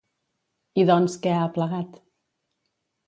I doncs, què ha aplegat?